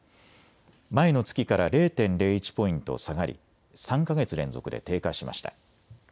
前の月から０．０１ポイント下がり３か月連続で低下しました。